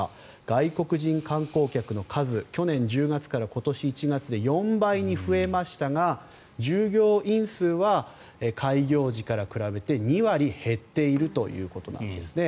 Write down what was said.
外国人観光客の数去年１０月から今年１月で４倍に増えましたが従業員数は開業時から比べて２割減っているということなんですね。